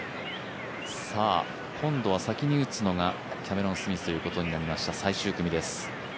今度は先に打つのがキャメロン・スミスということになりました、最終組です。